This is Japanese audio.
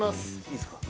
いいすか？